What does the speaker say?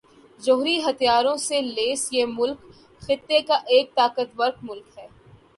جوہری ہتھیاروں سے لیس یہ ملک خطے کا ایک طاقتور ملک ہے